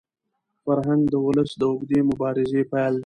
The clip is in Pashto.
فرهنګ د ولس د اوږدې مبارزې پایله ده.